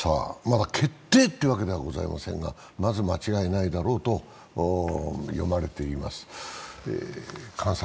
まだ決定というわけではございませんがまず間違いないだろうと読まれています。